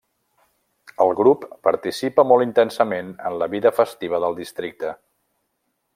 El grup participa molt intensament en la vida festiva del districte.